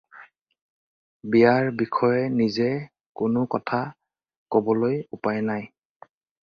বিয়াৰ বিষয়ে নিজে কোনো কথা ক'বলৈ উপায় নাই।